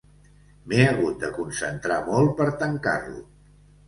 M'he hagut de concentrar molt per tancar-lo.